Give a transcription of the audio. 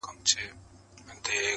o په خوله الله، په زړه کي غلا.